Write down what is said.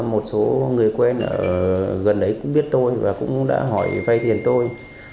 một số người quen ở gần đấy cũng biết tôi và cũng đã hỏi vay tiền tôi